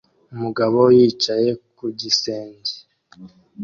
Umugabo yicaye ku gisenge